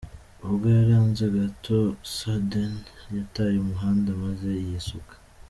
Ubwo yari arenze gato Surdents, yataye umuhanda maze yisuka.